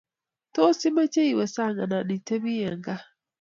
tos imeche iwe sang' anan itebii Eng' gaa